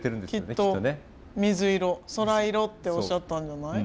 きっと水色空色っておっしゃったんじゃない？